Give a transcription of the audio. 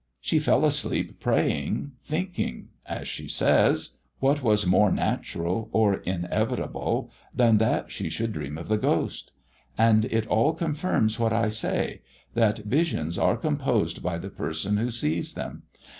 She fell asleep praying, thinking, as she says; what was more natural or inevitable than that she should dream of the ghost? And it all confirms what I say: that visions are composed by the person who sees them.